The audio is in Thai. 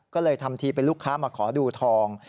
ก็เลยทำทีเป็นลูกค้ามาขอดูทอง